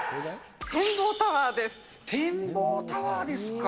展望タワーですか。